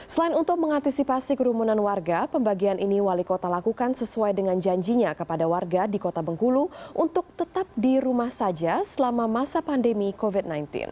selain untuk mengantisipasi kerumunan warga pembagian ini wali kota lakukan sesuai dengan janjinya kepada warga di kota bengkulu untuk tetap di rumah saja selama masa pandemi covid sembilan belas